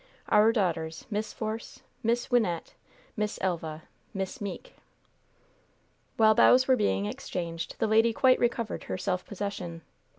Our daughters, Miss Force, Miss Wynnette, Miss Elva, Miss Meeke." While bows were being exchanged the lady quite recovered her self possession.